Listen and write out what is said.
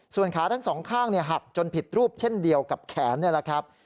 ส่วนขาทั้งสองข้างหักจนผิดรูปเช่นเดียวกับแขนนี่แหละครับ